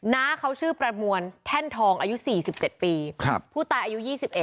น้าเขาชื่อประมวลแท่นทองอายุ๔๗ปีผู้ตายอายุ๒๑